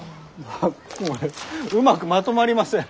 うまくまとまりません。